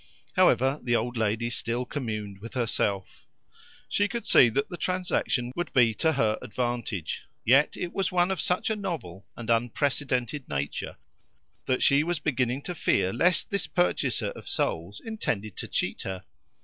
However, the old lady still communed with herself. She could see that the transaction would be to her advantage, yet it was one of such a novel and unprecedented nature that she was beginning to fear lest this purchaser of souls intended to cheat her.